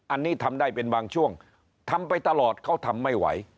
อันนี้ทำได้เป็นบางช่วงทำไปตลอดเขาทำไม่ไหว